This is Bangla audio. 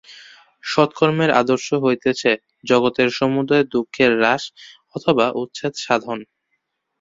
সৎ কর্মের আদর্শ হইতেছে জগতের সমুদয় দুঃখের হ্রাস অথবা উচ্ছেদ-সাধন।